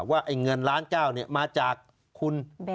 ว่าเงินล้านเก้ามาจากคุณ